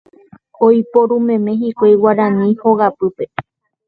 Oiporumeme hikuái guarani hogapýpe.